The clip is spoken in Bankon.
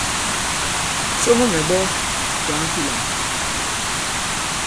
Somo mɛ̀ ɓᴐ fyàŋa fi lām.